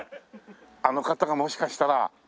あの方がもしかしたら。